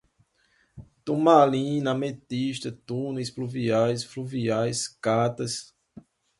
turmalina, ametista, túneis, pluviais, fluviais, catas